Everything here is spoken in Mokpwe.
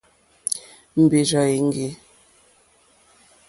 Mbèrzà èŋɡê.